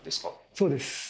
そうです。